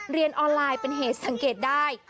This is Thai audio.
เรียนออนไลน์เป็นเหตุสังเกตได้